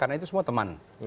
karena itu semua teman